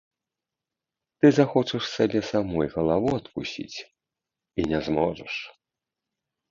Ты захочаш сабе самой галаву адкусіць і не зможаш.